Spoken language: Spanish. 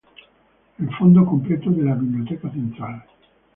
El fondo completo de la Biblioteca Central.